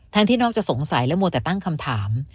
ที่น้องจะสงสัยและมัวแต่ตั้งคำถาม